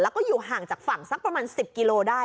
แล้วก็อยู่ห่างจากฝั่งสักประมาณ๑๐กิโลได้